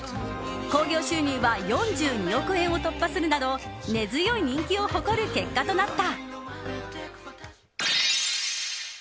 興行収入は４２億円を突破するなど根強い人気を誇る結果となった。